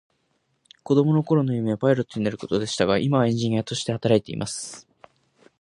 子供の頃の夢はパイロットになることでしたが、今はエンジニアとして働いています。